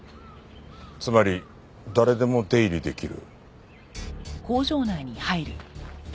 つまり誰でも出入りできる。